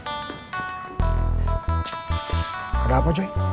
ada apa njui